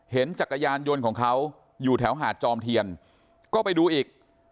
จักรยานยนต์ของเขาอยู่แถวหาดจอมเทียนก็ไปดูอีก